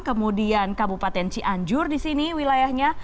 kemudian kabupaten cianjur di sini wilayahnya